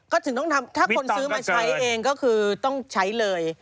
ก็ถึงต้องทำถ้าคนซื้อมาใช้เองก็คือต้องใช้เลย